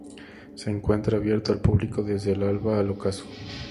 Se encuentra abierto al público desde el alba al ocaso.